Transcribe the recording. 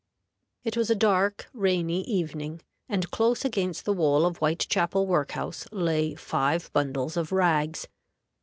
It was a dark, rainy evening, and close against the wall of Whitechapel Work house lay five bundles of rags.